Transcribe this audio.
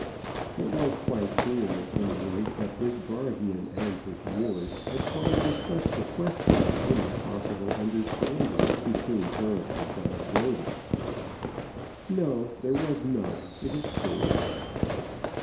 It was quite clear, at any rate, that this guardian and his ward had fully discussed the question of any possible understanding between her and John Gordon. "No; there was none: it is true."